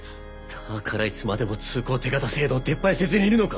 だからいつまでも通行手形制度を撤廃せずにいるのか！